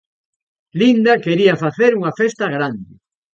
Linda quería facer unha festa grande.